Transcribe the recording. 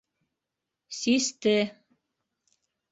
Систе.